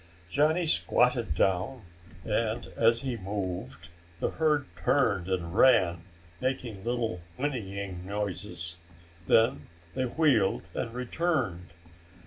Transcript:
Johnny squatted down and, as he moved, the herd turned and ran, making little whinnying noises. Then they wheeled and returned.